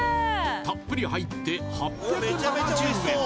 たっぷり入って８７０円